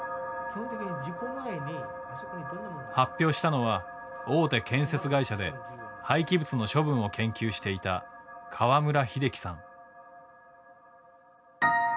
発表したのは大手建設会社で廃棄物の処分を研究していた河村秀紀さん。